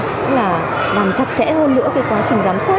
tức là làm chặt chẽ hơn nữa cái quá trình giám sát